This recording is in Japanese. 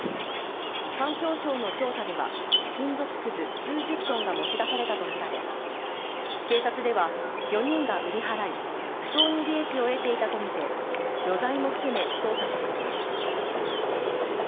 環境省の調査では金属くず数十トンが持ち出されたとみられ警察では４人が売り払い不当に利益を得ていたと見て余罪も含め捜査しています